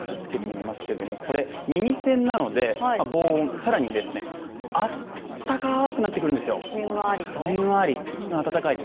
手元にありましてつけてみますけどもこれ耳栓なので防音さらにですねあったかくなってくるんですよ。